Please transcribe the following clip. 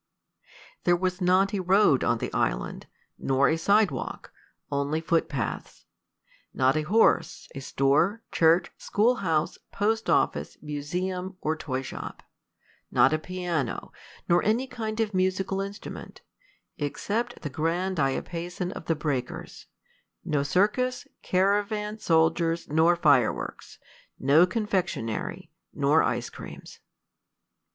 There was not a road on the island, nor a side walk, only foot paths; not a horse, a store, church, school house, post office, museum, or toy shop; not a piano, nor any kind of musical instrument, except the grand diapason of the breakers; no circus, caravan, soldiers, nor fireworks; no confectionery nor ice creams.